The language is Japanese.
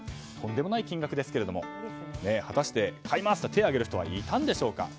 とんでもない金額ですけれども果たして買いますと手を挙げる人はいたんでしょうか。